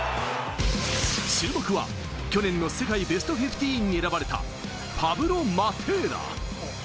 注目は去年の世界ベストフィフティーンに選ばれたパブロ・マテーラ。